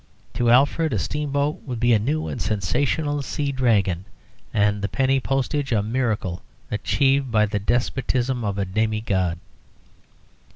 To Alfred a steamboat would be a new and sensational sea dragon, and the penny postage a miracle achieved by the despotism of a demi god.